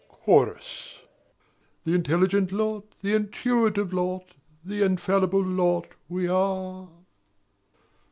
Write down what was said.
Chorus The intelligent lot, the intuitive lot, The infallible lot we are.